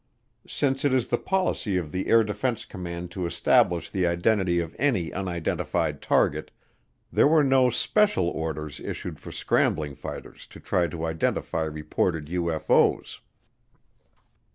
Since it is the policy of the Air Defense Command to establish the identity of any unidentified target, there were no special orders issued for scrambling fighters to try to identify reported UFO's.